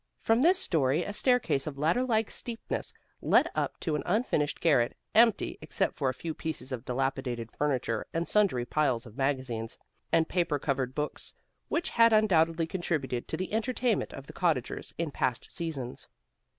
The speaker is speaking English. From this story a staircase of ladder like steepness, led up to an unfinished garret, empty, except for a few pieces of dilapidated furniture and sundry piles of magazines and paper covered books, which had undoubtedly contributed to the entertainment of the cottagers in past seasons.